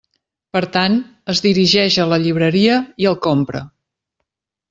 Per tant, es dirigeix a la llibreria i el compra.